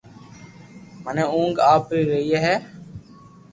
منو اونگ آوي رھئي ھي